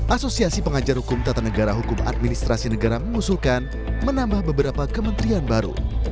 asosiasi pengajar hukum tata negara hukum administrasi negara mengusulkan menambah beberapa kementerian baru